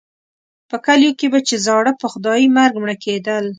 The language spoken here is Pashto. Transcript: په کلیو کې به چې زاړه په خدایي مرګ مړه کېدل.